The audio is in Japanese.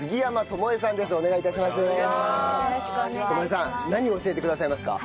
友映さん何を教えてくださいますか？